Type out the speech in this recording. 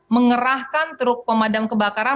mengerahkan truk pemadam kebakaran